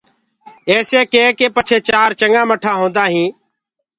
ايسي ڪي ڪي پچهي چآر چنگآ ٻٽآ هوندآ هينٚ